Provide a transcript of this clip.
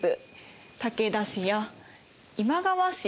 武田氏や今川氏